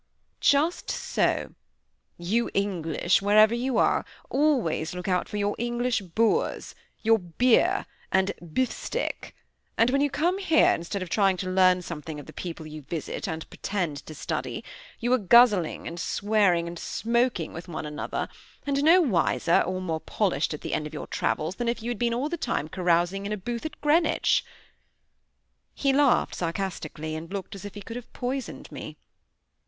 "Just so! You English, wherever you are, always look out for your English boors, your beer and 'bifstek'; and when you come here, instead of trying to learn something of the people you visit, and pretend to study, you are guzzling and swearing, and smoking with one another, and no wiser or more polished at the end of your travels than if you had been all the time carousing in a booth at Greenwich." He laughed sarcastically, and looked as if he could have poisoned me.